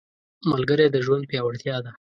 ملګری د ژوند پیاوړتیا ده